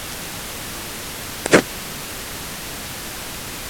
Přehled premiér byl neustále průběžně aktualizován.